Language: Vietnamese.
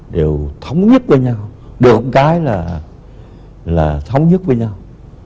đều thống nhất với nhau bởi một cái là thống nhất với nhau